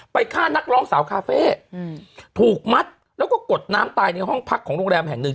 ฆ่านักร้องสาวคาเฟ่ถูกมัดแล้วก็กดน้ำตายในห้องพักของโรงแรมแห่งหนึ่ง